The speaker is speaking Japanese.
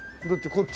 こっち？